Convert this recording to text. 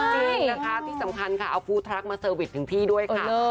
จริงนะคะที่สำคัญค่ะเอาฟูลทรัคมาเสวยสิยข์ถึงพี่ด้วยค่ะ